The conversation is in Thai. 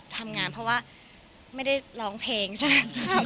ทำงานเพราะว่าไม่ได้ร้องเพลงใช่ไหม